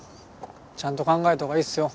ちゃんと考えたほうがいいっすよ。